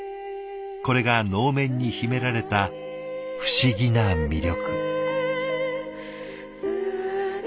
これが能面に秘められた不思議な魅力。